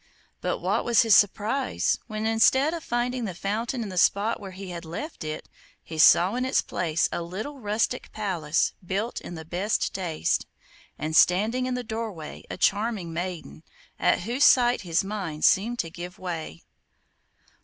But what was his surprise, when instead of finding the fountain in the spot where he had left it, he saw in its place a little rustic palace built in the best taste, and standing in the doorway a charming maiden, at whose sight his mind seemed to give way.